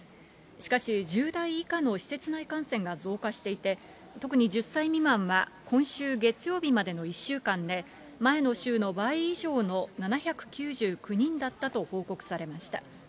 しかし、１０代以下の施設内感染が増加していて、特に１０歳未満は、今週月曜日までの１週間で、前の週の倍以上の７９９人だったと報告されました。